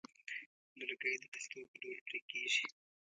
لرګی د تختو په ډول پرې کېږي.